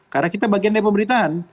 karena kita bagian dari pemerintahan